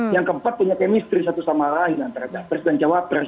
yang keempat punya kemistri satu sama lain antara capres dan cawapres